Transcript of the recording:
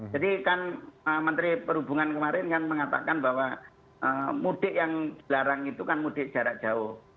jadi kan menteri perhubungan kemarin kan mengatakan bahwa mudik yang dilarang itu kan mudik jarak jauh